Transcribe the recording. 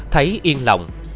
thấy yên lòng